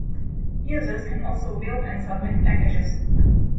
Users can also build and submit packages.